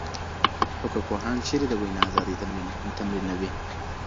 حقوقپوهان چیري د وینا ازادي تمرینوي؟